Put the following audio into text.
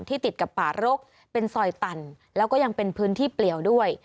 ติดกับป่ารกเป็นซอยตันแล้วก็ยังเป็นพื้นที่เปลี่ยวด้วย